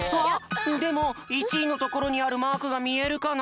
でも１いのところにあるマークがみえるかな？